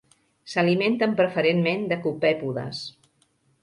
S'alimenten preferentment de copèpodes.